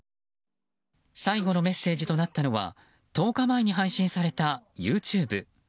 最後のメッセージとなったのは１０日前に配信されたＹｏｕＴｕｂｅ。